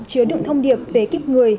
chứa đựng thông điệp về kíp người